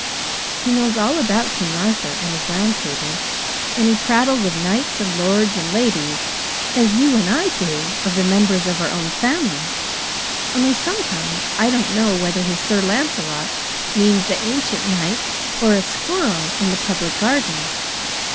He knows all about King Arthur and his Round Table, and he prattles of knights and lords and ladies as you and I do of the members of our own family only sometimes I don't know whether his Sir Lancelot means the ancient knight or a squirrel in the Public Garden.